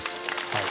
はい。